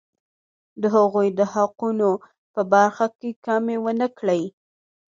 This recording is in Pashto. د هغوی د حقونو په برخه کې کمی ونه کړي.